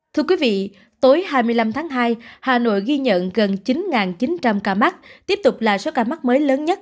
thưa quý vị tối hai mươi năm tháng hai hà nội ghi nhận gần chín chín trăm linh ca mắc tiếp tục là số ca mắc mới lớn nhất